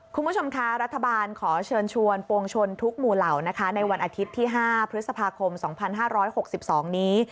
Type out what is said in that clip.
คุณผู้ชมคะรัฐบาลขอเชิญชวนปวงชนทุกหมู่เหล่านะคะในวันอาทิตย์ที่๕พฤษภาคม๒๕๖๒นี้